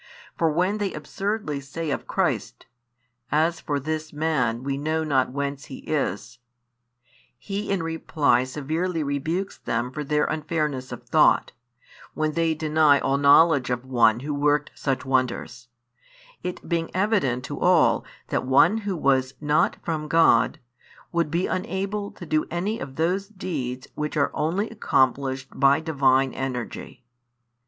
For when they absurdly said of Christ: As for this Man we know not whence He is, he in reply severely rebukes them for their unfairness of thought, when they deny all knowledge of One Who worked such wonders; it being evident to all |51 that one who was not from God would be unable to do any of those deeds which are only accomplished by Divine energy.